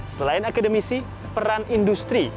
selain akademisi peran industri